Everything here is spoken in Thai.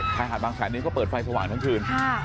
ชายหาดบางแสนนี้ก็เปิดไฟสว่างทั้งคืน